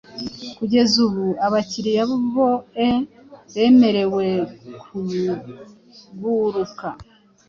Kugeza ubu, abakiriya boe bemerewe kuguruka